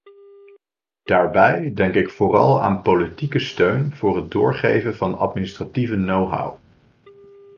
Daarbij denk ik vooral aan politieke steun voor het doorgeven van administratieve knowhow.